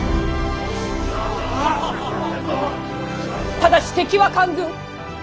ただし敵は官軍。